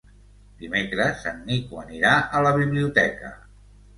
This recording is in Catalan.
Dimecres en Nico anirà a la biblioteca.